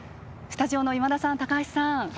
スタジオの今田さん、高橋さん